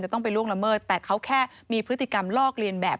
ต้องไปล่วงละเมิดแต่เขาแค่มีพฤติกรรมลอกเลียนแบบ